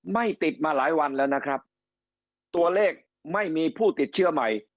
ไม่ติดมาหลายวันแล้วนะครับตัวเลขไม่มีผู้ติดเชื้อใหม่